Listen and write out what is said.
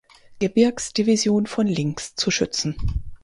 Gebirgsdivision von links zu schützen.